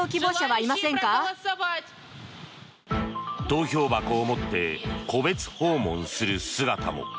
投票箱を持って戸別訪問する姿も。